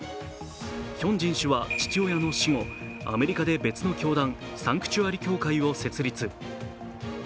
ヒョンジン氏は父親の死後、アメリカで別の教団サンクチュアリ教会を設立。